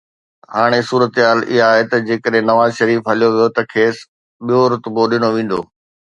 هاڻي صورتحال اها آهي ته جيڪڏهن نواز شريف هليو ويو ته کيس ٻيو رتبو ڏنو ويندو